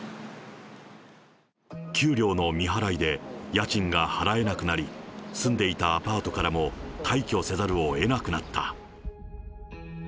給料の未払いで、家賃が払えなくなり、住んでいたアパートからも退去せざるをえなくなった。